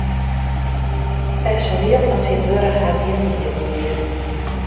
It personiel fan tsjintwurdich hat gjin manieren mear.